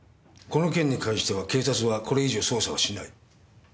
この件に関しては警察はこれ以上捜査をしない。